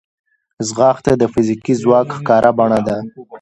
ځغاسته د فزیکي ځواک ښکاره بڼه ده